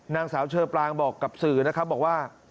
นางสาวเชอปรางบอกกับสื่อนะครับบอกว่า